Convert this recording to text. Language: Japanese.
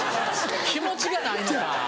気持ちがないのか。